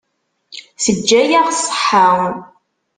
Teǧǧa-yaɣ ṣṣeḥḥa.